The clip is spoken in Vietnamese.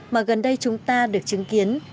mà gần đây chúng ta được chứng kiến